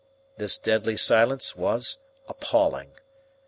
This deadly silence was appalling.